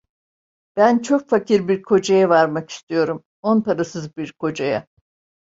Ben çok fakir bir kocaya varmak istiyorum. On parasız bir kocaya!